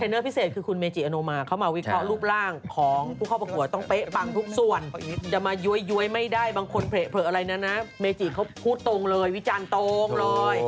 พิเศษคือคุณเมจิอโนมาเข้ามาวิเคราะห์รูปร่างของผู้เข้าประกวดต้องเป๊ะปังทุกส่วนจะมาย้วยไม่ได้บางคนเผลออะไรนะนะเมจิเขาพูดตรงเลยวิจารณ์ตรงเลย